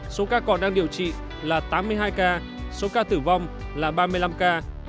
số ca còn đang điều trị là tám mươi hai ca số ca tử vong là ba mươi năm ca